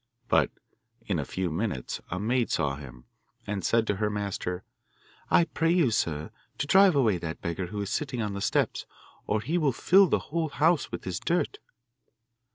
But in a few minutes a maid saw him, and said to her master, 'I pray you, sir, to drive away that beggar who is sitting on the steps, or he will fill the whole house with his dirt.